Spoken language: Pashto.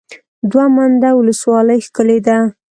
دوه منده ولسوالۍ ښکلې ده؟